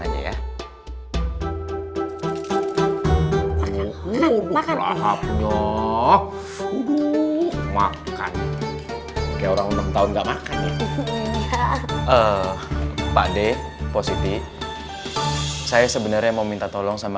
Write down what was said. udah makan kayak orang enam tahun nggak makan ya pak d positif saya sebenarnya mau minta tolong sama